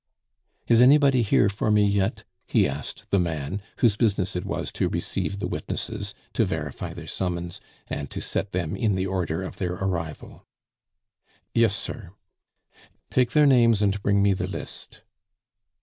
"Is anybody here for me yet?" he asked the man, whose business it was to receive the witnesses, to verify their summons, and to set them in the order of their arrival. "Yes, sir." "Take their names, and bring me the list."